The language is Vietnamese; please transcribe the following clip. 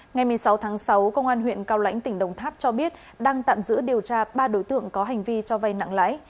ngày một mươi sáu tháng sáu công an huyện cao lãnh tỉnh đồng tháp cho biết đang tạm giữ điều tra ba đối tượng có hành vi cho vay nặng lãi